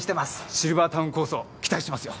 シルバータウン構想期待してますよ。